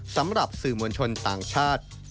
สำหรับสื่อมวลชนต่างชาติ